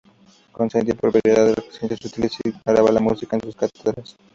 Concedía prioridad a las ciencias útiles y se ignoraba la música en sus cátedras.